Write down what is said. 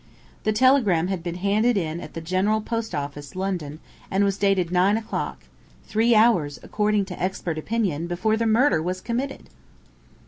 The telegram had been handed in at the General Post Office, London, and was dated nine o'clock three hours, according to expert opinion, before the murder was committed!